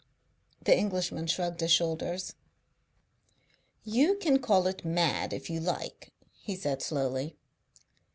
The Englishman shrugged his shoulders. "You can call it mad, if you like," he said slowly.